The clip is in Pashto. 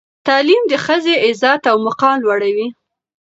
تعلیم د ښځې عزت او مقام لوړوي.